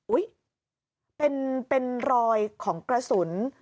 เป็นรอยของกระสุน